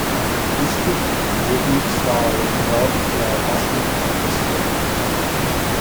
Her district rhythmic style was developed while busking on the streets.